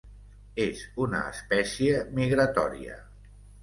És una espècie migratòria.